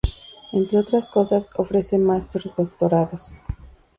Entre otras cosas, ofrece masters doctorados.